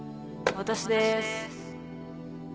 私です。